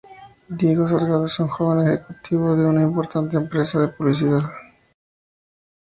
Diego Salgado es un joven ejecutivo de una importante empresa de publicidad.